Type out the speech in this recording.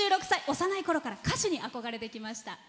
幼いころから歌手に憧れてきました。